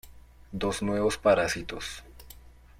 Dos nuevos parásitos".